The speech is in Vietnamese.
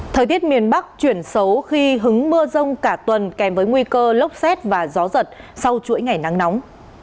thời tiết miền bắc chuyển xấu khi hứng mưa rông cả tuần kèm với nguy cơ lốc xét và gió giật sau chuỗi ngày nắng nóng